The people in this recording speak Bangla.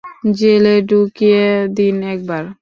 জেলে ডুকিয়ে দিন একবার।